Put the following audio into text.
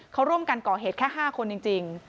เขาร่วมกันก่อเหตุแค่๕คนจริง